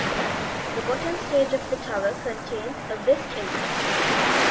The bottom stage of the tower contains a west entrance.